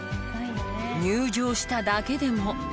入場しただけでも。